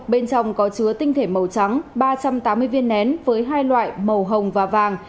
bên trong có chứa tinh thể màu trắng ba trăm tám mươi viên nén với hai loại màu hồng và vàng